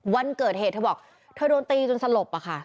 วันเกิดเหตุเธอบอกเธอโดนตีจนสลบอะค่ะ